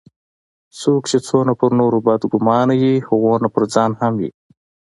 څوک چي څونه پر نورو بد ګومانه يي؛ هغونه پرځان هم يي.